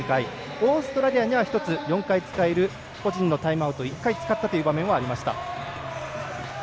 オーストラリアには４回使える個人のタイムアウトを１回使ったという場面がありました。